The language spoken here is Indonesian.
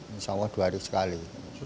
insya allah dua hari sekali